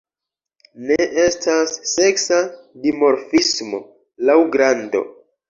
Ne estas seksa dimorfismo laŭ grando.